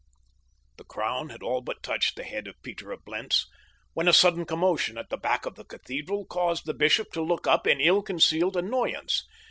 The crown had all but touched the head of Peter of Blentz when a sudden commotion at the back of the cathedral caused the bishop to look up in ill concealed annoyance.